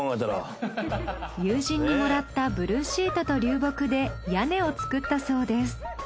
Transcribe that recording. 友人にもらったブルーシートと流木で屋根を作ったそうです。